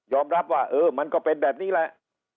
รับว่าเออมันก็เป็นแบบนี้แหละ